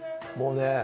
もうね。